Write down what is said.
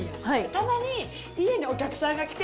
たまに家にお客さんが来て、